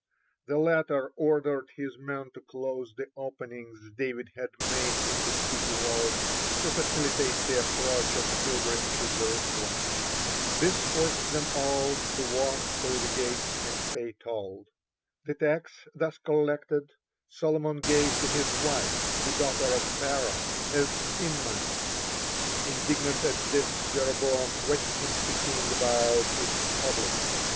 The latter ordered his men to close the openings David had made in the city wall to facilitate the approach of the pilgrims to Jerusalem. This forced them all the walk through the gates and pay toll. The tax thus collected Solomon gave to his wife, the daughter of Pharaoh, as pin money. Indignant at this, Jeroboam questioned the king about it in public.